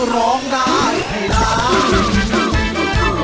ร้องได้ให้ร้าน